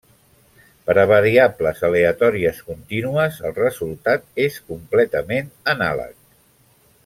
Per a variables aleatòries contínues, el resultat és completament anàleg.